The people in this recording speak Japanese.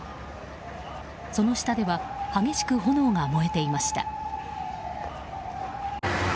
その下では激しく炎が燃えていました。